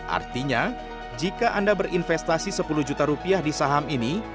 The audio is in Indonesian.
artinya jika anda berinvestasi sepuluh juta rupiah di saham ini